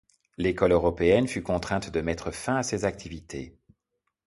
L’École Européenne fut contrainte de mettre fin à ses activités.